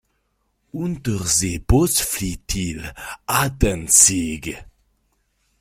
Unterseebootsflottille à Danzig.